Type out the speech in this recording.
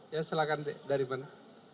ya silahkan dari mana